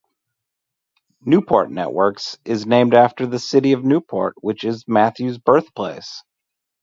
Newport Networks is named after the city of Newport which is Matthews' birthplace.